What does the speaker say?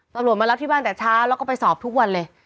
ตำรวจมารับที่บ้านแต่เช้าแล้วก็ไปสอบทุกวันเลย